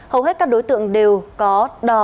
hầu hết các đối tượng đều có đò